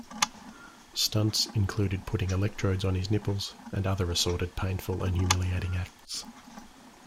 Stunts included putting electrodes on his nipples, and other assorted painful and humiliating acts.